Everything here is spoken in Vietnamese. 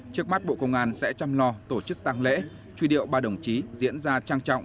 trước mắt bộ công an sẽ chăm lo tổ chức tăng lễ truy điệu ba đồng chí diễn ra trang trọng